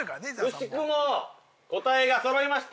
くしくも答えがそろいました。